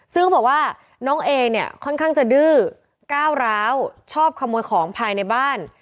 ซึ่งเขาบอกว่าน้องเอเนี่ยค่อนข้างจะดื้อก้าวร้าวชอบขโมยของภายในบ้าน